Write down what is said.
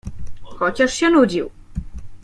Chociaż się nudził.